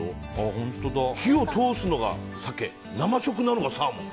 火を通すのがサケ生食なのがサーモン。